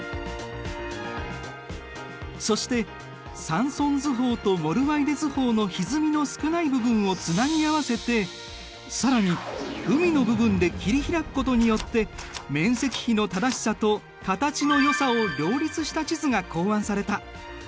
そしてサンソン図法とモルワイデ図法のひずみの少ない部分をつなぎ合わせて更に海の部分で切り開くことによって面積比の正しさと形のよさを両立した地図が考案された。